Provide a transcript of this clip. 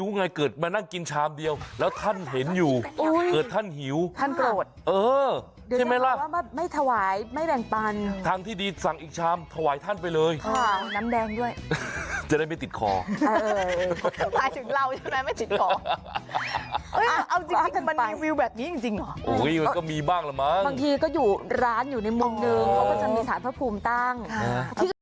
น้ำแดงด้วยจะได้ไม่ติดคอเออเออหมายถึงเราใช่ไหมไม่ติดคอเอ้ยเอาจริงจริงมันมีวิวแบบนี้จริงจริงหรอโอ้ยก็มีบ้างละมั้งบางทีก็อยู่ร้านอยู่ในมุมหนึ่งเขาก็จะมีสถานภพภูมิตั้งค่ะ